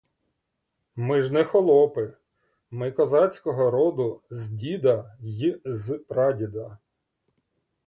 Ми ж не хлопи, ми козацького роду з діда й з прадіда.